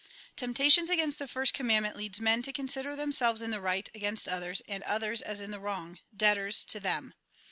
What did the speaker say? Temptation against the first commandment leads men to consider themselves in the right against others, and others as ia the wrong, debtors to them.